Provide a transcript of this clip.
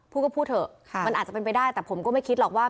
พูดก็พูดเถอะมันอาจจะเป็นไปได้แต่ผมก็ไม่คิดหรอกว่า